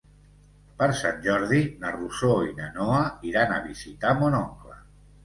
Per Sant Jordi na Rosó i na Noa iran a visitar mon oncle.